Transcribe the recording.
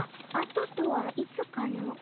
あととはいつかの？